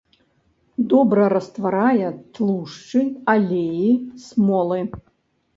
Добра растварае тлушчы, алеі, смолы.